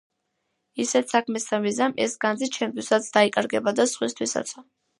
"ისეთ საქმესა ვიზამ, ეს განძი ჩემთვისაც დაიკარგება და სხვისთვისაცო".